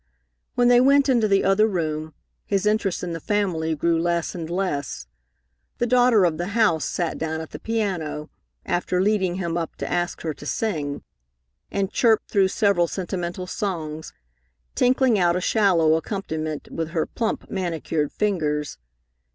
When they went into the other room, his interest in the family grew less and less. The daughter of the house sat down at the piano, after leading him up to ask her to sing, and chirped through several sentimental songs, tinkling out a shallow accompaniment with her plump, manicured fingers.